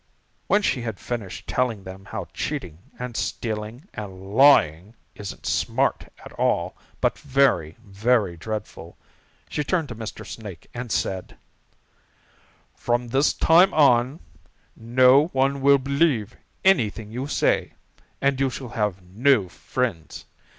When she had finished telling them how cheating and stealing and lying isn't smart at all, but very, very dreadful, she turned to Mr. Snake and said: "'From this time on, no one will believe anything you say, and you shall have no friends.